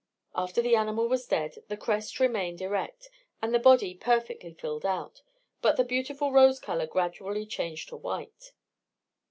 After the animal was dead, the crest remained erect, and the body perfectly filled out, but the beautiful rose colour gradually changed to white.